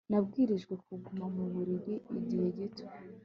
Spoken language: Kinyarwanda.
Nabwirijwe kuguma mu buriri igihe gito